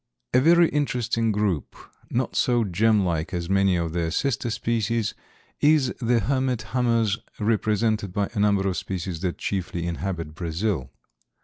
A very interesting group, not so gem like as many of their sister species, is the hermit hummers represented by a number of species that chiefly inhabit Brazil.